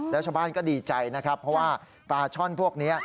แล้วชาวบ้านก็ดีใจนะครับเพราะว่าปลาช่อนพวกนี้